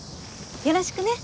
よろしくね。